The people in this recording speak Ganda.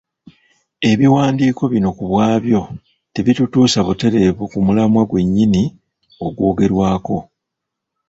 Ebiwandiiko bino ku bwabyo tebitutuusa butereevu ku mulamwa gwennyini ogwogerwako.